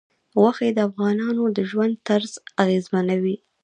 غوښې د افغانانو د ژوند طرز اغېزمنوي.